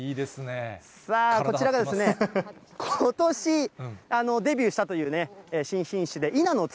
さあ、こちらがですね、ことしデビューしたという新品種で伊奈の月。